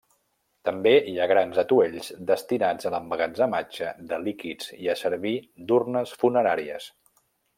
També hi ha grans atuells, destinats a l'emmagatzematge de líquids i a servir d'urnes funeràries.